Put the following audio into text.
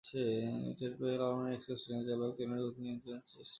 টের পেয়ে লালমনি এক্সপ্রেস ট্রেনের চালক ট্রেনের গতি নিয়ন্ত্রণের চেষ্টা করেন।